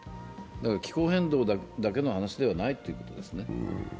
気候変動だけの話ではないということですね。